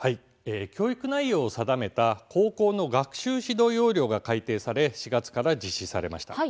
教育内容を定めた高校の学習指導要領が改訂され４月から実施されました。